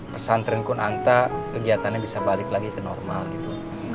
pesantren kunanta kegiatannya bisa balik lagi ke normal gitu